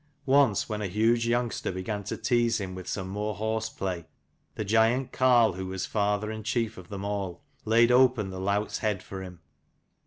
Once, when a huge youngster began to tease him with some more horse play, the giant carle who was father and chief of them all, laid open the lout's head for him.